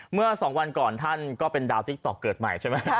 เมื่อ๒วันก่อนท่านก็เป็นดาวติ๊กต๊อกเกิดใหม่ใช่ไหม